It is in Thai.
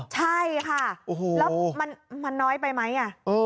ใช่ค่ะแล้วมันน้อยไปไหม